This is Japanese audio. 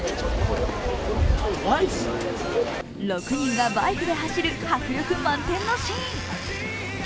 ６人がバイクで走る迫力満点のシーン。